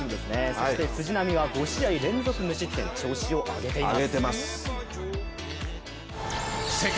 そして藤浪は５試合連続無失点、調子を上げています。